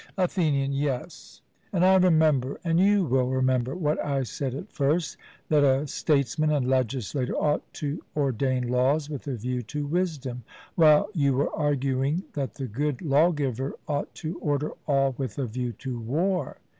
ATHENIAN: Yes; and I remember, and you will remember, what I said at first, that a statesman and legislator ought to ordain laws with a view to wisdom; while you were arguing that the good lawgiver ought to order all with a view to war.